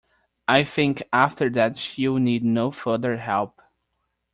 I think after that she will need no further help.